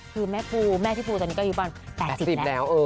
คือแม่พี่ปูแม่พี่ปูตอนนี้ก็อยู่กับบ้าน๘๐แล้ว